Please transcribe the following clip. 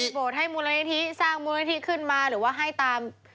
สร้างมูลนิธิขึ้นมาหรือว่าให้ตาม